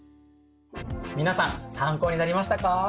皆さん参考になりましたか？